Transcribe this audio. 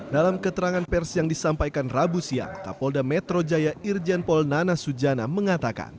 dalam keterangan pers yang disampaikan rabu siang kapolda metro jaya irjen pol nana sujana mengatakan